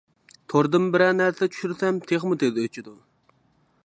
توردىن بىرەر نەرسە چۈشۈرسەم تېخىمۇ تېز ئۆچىدۇ.